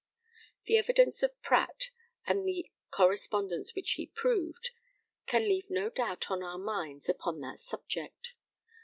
The evidence of PRATT, and the correspondence which he proved, can leave no doubt on our minds upon that subject.